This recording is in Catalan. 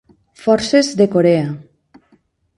Forces de Corea.